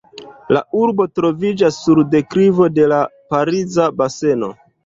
La urbo troviĝas sur deklivo de la Pariza Baseno.